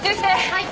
はい。